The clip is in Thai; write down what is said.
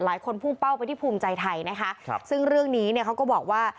หลายคนพูดเป้าไปที่ภูมิใจไทยนะคะซึ่งเรื่องนี้เนี่ยเขาก็บอกว่า